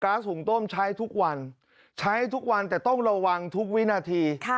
หุงต้มใช้ทุกวันใช้ทุกวันแต่ต้องระวังทุกวินาที